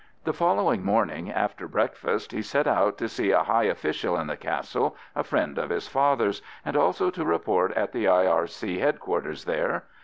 The following morning after breakfast he set out to see a high official in the Castle, a friend of his father's, and also to report at the R.I.C. Headquarters there.